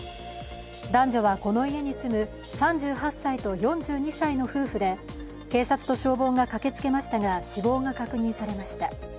男女はこの家に住む３８歳と４２歳の夫婦で警察と消防が駆けつけましたが、死亡が確認されました。